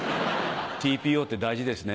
ＴＰＯって大事ですね